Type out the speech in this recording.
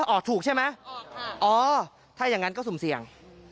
ออกถูกใช่ไหมอ๋อถ้าอย่างนั้นก็สุ่มเสี่ยง